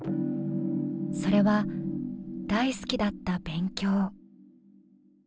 それは大好きだった勉強。